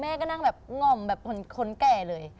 แม่ก็นั่งแบบง่มแบบคนแก่เลย